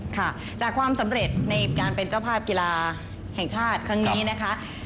ค่ะจากความสำเร็จในการเป็นเจ้าภาพกีฬาแห่งชาติครั้งนี้นะคะ